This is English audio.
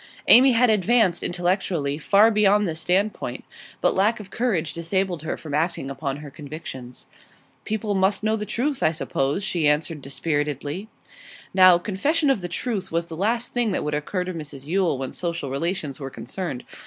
Amy had advanced, intellectually, far beyond this standpoint, but lack of courage disabled her from acting upon her convictions. 'People must know the truth, I suppose,' she answered dispiritedly. Now, confession of the truth was the last thing that would occur to Mrs Yule when social relations were concerned.